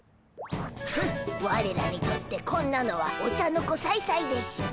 フッわれらにとってこんなのはお茶の子さいさいでしゅ。